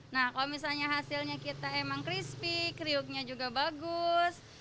nah kalau misalnya hasilnya kita emang crispy kriuknya juga bagus